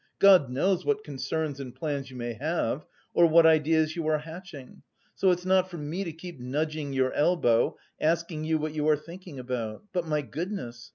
God knows what concerns and plans you may have, or what ideas you are hatching; so it's not for me to keep nudging your elbow, asking you what you are thinking about? But, my goodness!